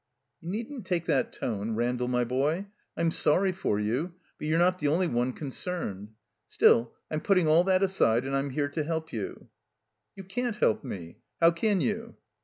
"You needn't take that tone, Randall, my' boy. I'm sorry for you, but you're not the only one con cerned. Still, I'm putting all that aside, and I'm here to help you." "You can't help me. How can you?"